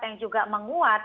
yang juga menguat